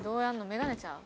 眼鏡ちゃう？」